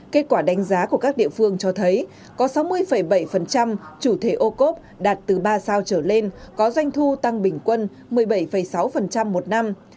kết quả đánh giá của các địa phương cho thấy có sáu mươi bảy chủ thể ô cốp đạt từ ba sao trở lên có doanh thu tăng bình quân một mươi bảy sáu một năm